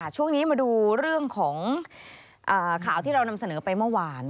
ช่วงนี้มาดูเรื่องของข่าวที่เรานำเสนอไปเมื่อวาน